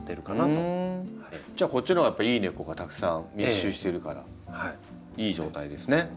じゃあこっちのほうがやっぱりいい根っこがたくさん密集してるからいい状態ですね。